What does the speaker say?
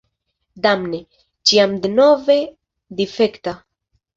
Damne, ĉiam denove difekta!